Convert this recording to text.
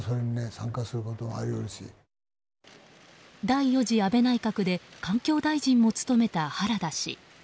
第４次安倍内閣で環境大臣も務めた原田氏。